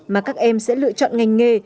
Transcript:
mà các em sẽ lựa chọn ngành nghề